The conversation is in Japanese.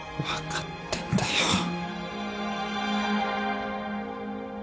わかってんだよ。